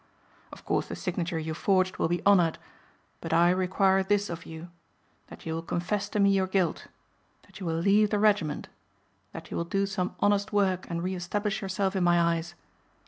Of course the signature you forged will be honored. But I require this of you: that you will confess to me your guilt; that you will leave the regiment; that you will do some honest work and re establish yourself in my eyes.